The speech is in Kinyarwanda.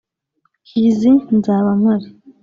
kizi nzaba mpari